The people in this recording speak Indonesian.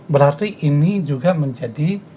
berarti ini juga menjadi